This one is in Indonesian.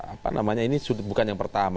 apa namanya ini bukan yang pertama